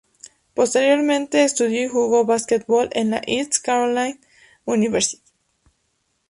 Posteriormente, estudió y jugó básquetbol en la East Carolina University.